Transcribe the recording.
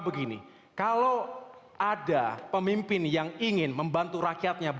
ekonomi dan juga tata kota